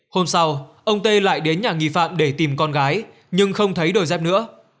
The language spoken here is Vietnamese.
hôm sau ông tê lại đến nhà nghị phạm để tìm con gái nhưng không thấy đồi dép nữa